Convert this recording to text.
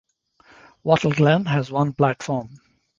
Wattleglen has one platform.